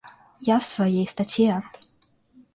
Я в своей статье....